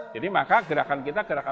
jadi maka gerakan kita gerakan